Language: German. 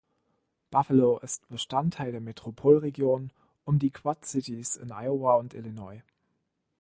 Buffalo ist Bestandteil der Metropolregion um die Quad Cities in Iowa und Illinois.